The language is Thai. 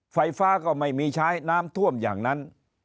ไฟฟ้าก็ไม่มีใช้น้ำท่วมอย่างนั้น